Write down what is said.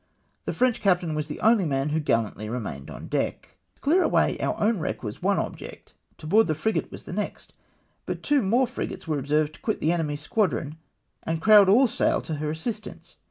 The French captain was the only man who gallantly remained on deck. To clear away our own wreck was one object ; to board the frigate the next ; but two more frigates were observed to quit the enemy's squadron, and crowd all sail to her assistance.